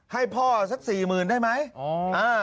ให้พ่อสักสี่หมื่นได้ไหม